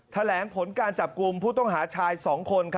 แถลงผลการจับกลุ่มผู้ต้องหาชาย๒คน